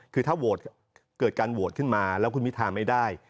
คือถ้าโหวตการโหวตขึ้นมาแล้วคุณพิธาไม่ได้